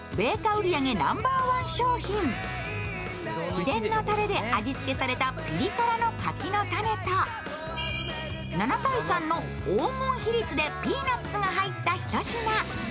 秘伝のたれで味付けされたピリ辛の柿の種と７対３の黄金比率でピーナッツが入った一品。